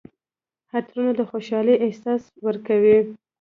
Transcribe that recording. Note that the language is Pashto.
عطرونه د خوشحالۍ احساس ورکوي.